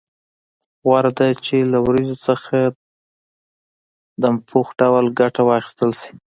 غوره ده چې له وریجو څخه دم پوخ ډول ګټه واخیستل شي.